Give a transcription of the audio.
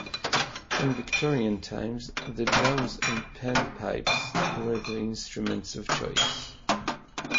In Victorian times, the drum and pan pipes were the instruments of choice.